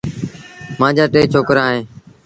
مآݩجآ ٽي ڇوڪرآ اوهيݩ ۔